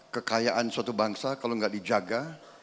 kekayaan suatu bangsa kalau nggak dijaga